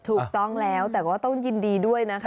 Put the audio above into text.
ถูกต้องแล้วแต่ก็ต้องยินดีด้วยนะคะ